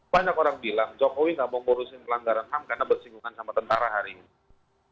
banyak orang bilang jokowi nggak mau ngurusin pelanggaran ham karena bersinggungan sama tentara hari ini